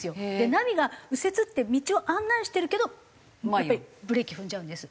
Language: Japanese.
ナビが右折って道を案内してるけどやっぱりブレーキ踏んじゃうんです。